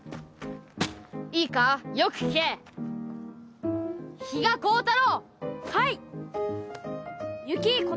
いいかよく聞け比嘉光太郎！